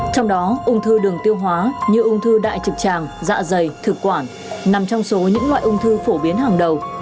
trong đó ung thư đường tiêu hóa như ung thư đại trực tràng dạ dày thực quản nằm trong số những loại ung thư phổ biến hàng đầu